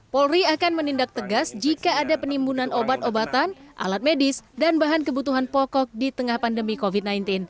polri akan menindak tegas jika ada penimbunan obat obatan alat medis dan bahan kebutuhan pokok di tengah pandemi covid sembilan belas